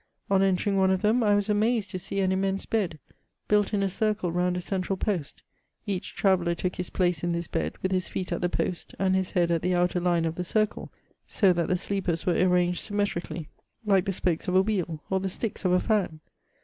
On entering one of them, I was amazed to see an immense bed, built in a circle round a central post ; each traveller took his place in this bed, with hi» feet at the post, and his head at the outer line of the circle, so that the sleepers were arranged symmetrically, like the spokes of a wheel, or the sticks of a fan.